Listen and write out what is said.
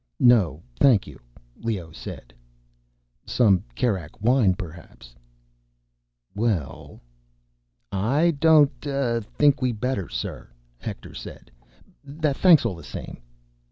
"No, thank you," Leoh said. "Some Kerak wine, perhaps?" "Well—" "I don't, uh, think we'd better, sir," Hector said. "Thanks all the same."